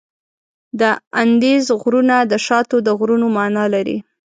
د اندیز غرونه د شاتو د غرونو معنا لري.